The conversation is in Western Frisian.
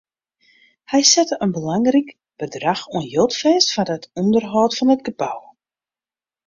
Hy sette in belangryk bedrach oan jild fêst foar it ûnderhâld fan it gebou.